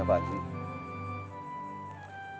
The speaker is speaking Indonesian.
pertama kali kita berakhir di sini